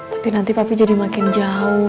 tapi nanti papi jadi makin jauh